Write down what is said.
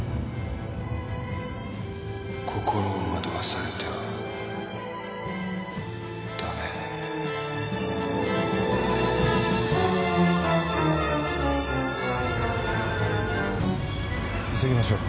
「心を惑わされてはダメ」急ぎましょう。